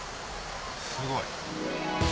すごい。